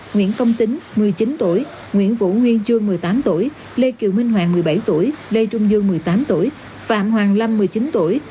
nguyễn công tính một mươi chín tuổi nguyễn vũ nguyên chương một mươi tám tuổi lê kiều minh hoàng một mươi bảy tuổi lê trung dương một mươi tám tuổi phạm hoàng lâm một mươi chín tuổi